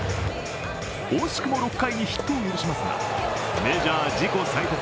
惜しくも６回にヒットを許しますがメジャー自己最多